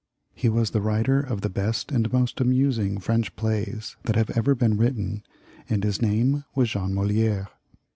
He was the writer of the best and most amusing French plays that have ever been written, and his name was Jean Moli^re.